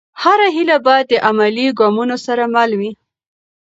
هره هېله باید د عملي ګامونو سره مل وي.